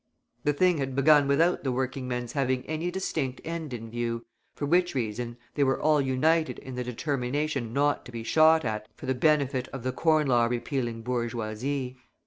The thing had begun without the working men's having any distinct end in view, for which reason they were all united in the determination not to be shot at for the benefit of the Corn Law repealing bourgeoisie.